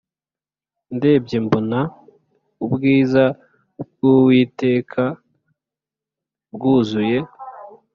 Ndebye mbona ubwiza bw uwiteka bwuzuye